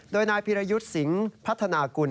โดยนายพิรยุทธ์สิงห์พัฒนากุล